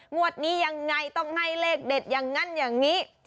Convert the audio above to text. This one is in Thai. งวดนี้ยังไงต้องให้เลขเด็ดอย่างนั้นอย่างนี้